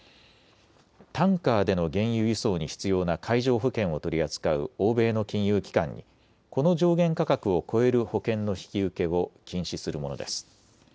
タンカーでの原油輸送に必要な海上保険を取り扱う欧米の金融機関にこの上限価格を超える保険の引き受けを禁止するものです。